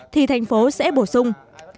thì thành phố sẽ bổ sung